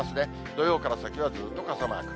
土曜から先はずっと傘マーク。